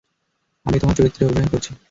আমি তোমার চরিত্রে অভিনয় করছি।